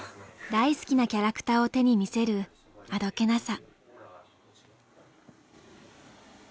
大好きなキャラクターを手に見せるあどけなさ。